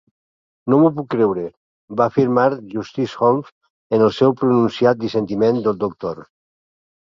"No m'ho puc creure", va afirmar Justice Holmes en el seu pronunciat dissentiment del "Dr.